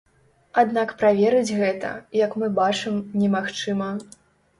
Аднак праверыць гэта, як мы бачым, немагчыма.